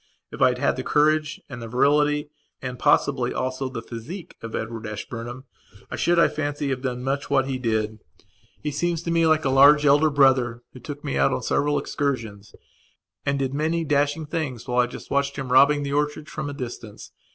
If I had had the courage and virility and possibly also the physique of Edward Ashburnham I should, I fancy, have done much what he did. He seems to me like a large elder brother who took me out on several excursions and did many dashing things whilst I just watched him robbing the orchards, from a distance.